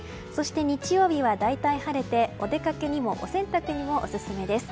日曜日は大体晴れてお出かけにもお洗濯にもオススメです。